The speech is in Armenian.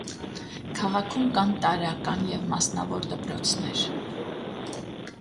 Քաղաքում կան տարրական և մասնավոր դպրոցներ։